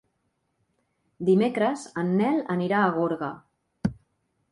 Dimecres en Nel anirà a Gorga.